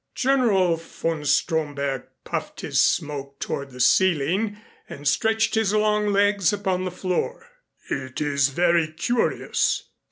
General von Stromberg puffed his smoke toward the ceiling and stretched his long legs upon the floor. "It is very curious.